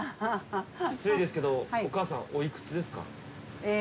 失礼ですけどお母さんお幾つですか？